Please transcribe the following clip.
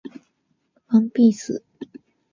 ワンピース